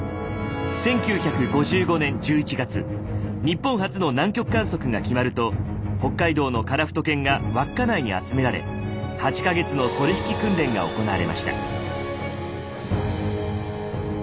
１９５５年１１月日本初の南極観測が決まると北海道のカラフト犬が稚内に集められ８か月のソリ引き訓練が行われました。